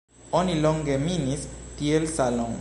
Oni longe minis tie salon.